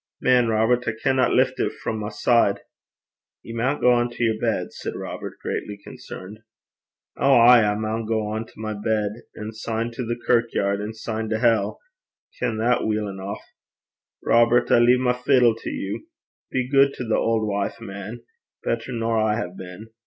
Man, Robert, I canna lift it frae my side.' 'Ye maun gang to yer bed,' said Robert, greatly concerned. 'Ow, ay, I maun gang to my bed, and syne to the kirkyaird, and syne to hell, I ken that weel eneuch. Robert, I lea my fiddle to you. Be guid to the auld wife, man better nor I hae been.